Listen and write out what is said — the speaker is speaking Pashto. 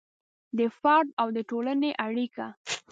د فرد او د ټولنې اړیکه